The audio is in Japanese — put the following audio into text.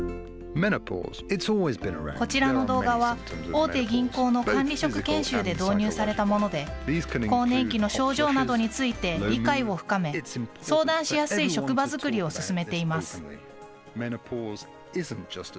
大手銀行の管理職研修で導入されたもので、更年期の症状などについて理解を深め、相談しやすい職場作りを進めています。